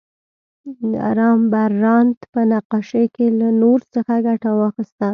رامبراند په نقاشۍ کې له نور څخه ګټه واخیسته.